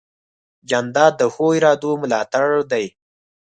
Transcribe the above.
جانداد د ښو ارادو ملاتړ دی.